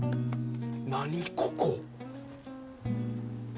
何ここ！